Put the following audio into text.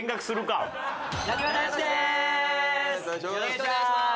お願いしまーす。